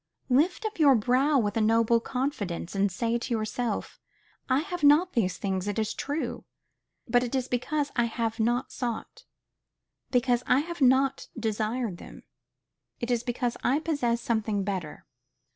Lift up your brow with a noble confidence, and say to yourself, I have not these things, it is true; but it is because I have not sought, because I have not desired them; it is because I possess something better.